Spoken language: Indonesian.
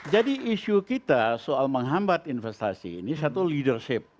jadi isu kita soal menghambat investasi ini satu leadership